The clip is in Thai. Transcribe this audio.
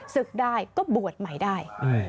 ศึกได้ก็บวชใหม่ได้